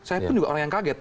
saya pun juga orang yang kaget